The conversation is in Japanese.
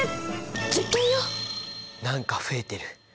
何か増えてる。